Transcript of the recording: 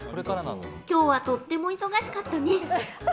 今日はとっても忙しかったね。